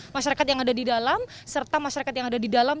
masyarakat yang ada di dalam serta masyarakat yang ada di dalam